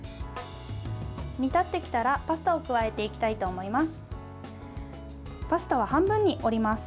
煮立ってきたらパスタを加えていきたいと思います。